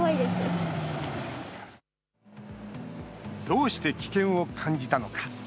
どうして危険を感じたのか。